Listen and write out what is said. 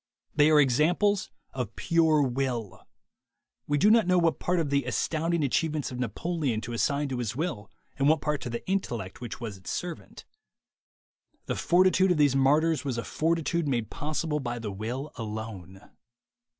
They are examples of pure will. We do not know what part of the astounding achieve ments of Napoleon to assign to his will and what part to the intellect which was its servant. The fortitude of these martyrs was a fortitude made possible by the will alone.